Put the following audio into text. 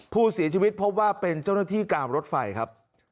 ผู้เสียชีวิตพบว่าเป็นเจ้าหน้าที่กามรถไฟครับ